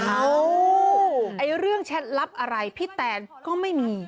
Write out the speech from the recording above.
ไอ้เรื่องแชทลับอะไรพี่แตนก็ไม่มี